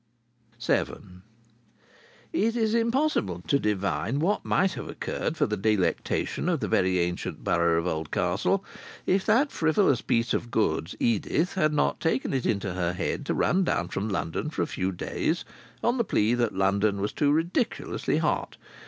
VII It is impossible to divine what might have occurred for the delectation of the very ancient borough of Oldcastle if that frivolous piece of goods, Edith, had not taken it into her head to run down from London for a few days, on the plea that London was too ridiculously hot.